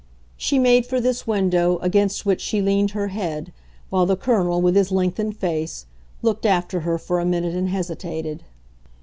She made for this window, against which she leaned her head, while the Colonel, with his lengthened face, looked after her for a minute and hesitated.